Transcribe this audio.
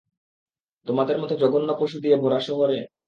তোমাদের মতো জঘন্য পশু দিয়ে ভরা শহরে?